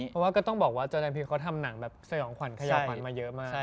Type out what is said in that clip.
เพราะว่าก็ต้องบอกว่าจอแดนพีเขาทำหนังแบบสยองขวัญขย่าขวัญมาเยอะมาก